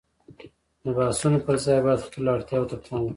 د بحثونو پر ځای باید خپلو اړتياوو ته پام وکړو.